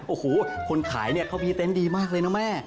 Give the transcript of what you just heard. โอ้โหคนขายเนี่ยเขามีเต็นต์ดีมากเลยนะแม่